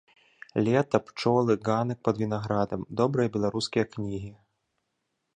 Лета, пчолы, ганак пад вінаградам, добрыя беларускія кнігі.